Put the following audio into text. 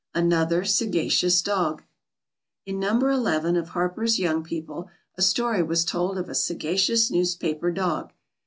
=Another Sagacious Dog.= In No. 11 of HARPER'S YOUNG PEOPLE a story was told of a sagacious newspaper dog.